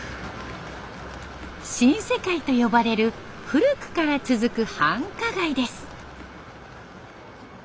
新世界と呼ばれる古くから続く繁華街です。